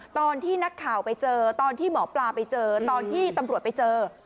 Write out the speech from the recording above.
ตอนที่นักข่าวไปเจอตอนที่หมอปลาไปเจอตอนที่ตำรวจไปเจอ